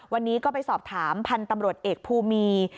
วันนี้ก็ไปสอบถามพันธุ์ตำรวจเอกภูมี